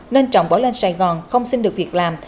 nên trọng bỏ lên sài gòn không xin được việc làm